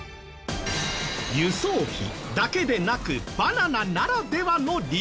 輸送費だけでなくバナナならではの理由が！